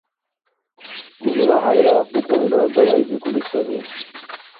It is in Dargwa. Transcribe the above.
ГуглахӀяйра букӀунра далайбикӀули саби.